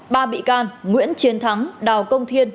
ba bị can nguyễn chiến thắng đào công thiên